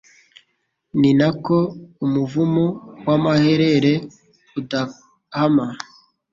ni na ko umuvumo w’amaherere udahama